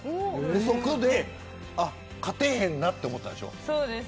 そこで勝てへんなと思ったんでしょ。